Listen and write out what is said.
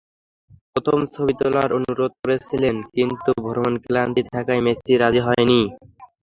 প্রথম ছবি তোলার অনুরোধ করেছিলেন, কিন্তু ভ্রমণক্লান্তি থাকায় মেসি রাজি হননি।